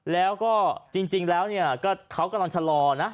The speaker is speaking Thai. แล้วก็จริงแล้วเนี่ยก็เขากำลังชะลอนะ